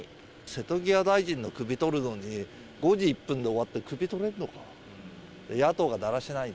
瀬戸際大臣の首取るのに、５時１分で終わって首取れんのか。